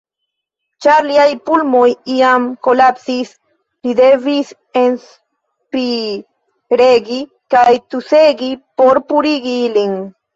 Ĉar liaj pulmoj iam kolapsis, li devis enspiregi kaj tusegi por purigi ilin.